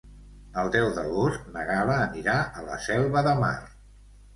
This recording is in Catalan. El deu d'agost na Gal·la anirà a la Selva de Mar.